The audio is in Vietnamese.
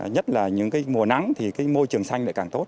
nhất là những mùa nắng thì môi trường xanh lại càng tốt